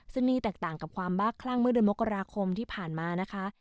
ซึ่งนี่แตกต่างกับความบ้าคลั่งเมื่อเดือนมกราคมที่ผ่านมานะคะ